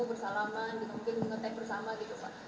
bersalaman mungkin mengotek bersama gitu pak